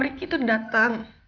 ricky tuh datang